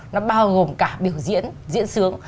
nó bao gồm cả biểu diễn diễn sướng